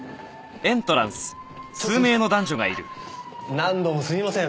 何度もすみません。